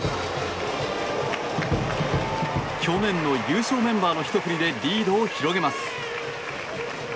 去年の優勝メンバーのひと振りでリードを広げます。